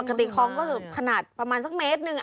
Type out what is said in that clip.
ปกติค้องก็ขนาดประมาณสักเมตรหนึ่ง